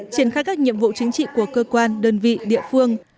triển khai các nhiệm vụ chính trị của cơ quan đơn vị địa phương